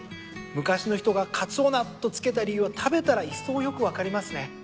昔の人がかつお菜と付けた理由は食べたらいっそうよく分かりますね。